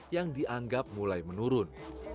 yang dianggap mulai menurun